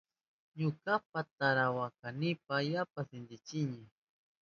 Ñukapa tarawanaynika yapa sinchimi.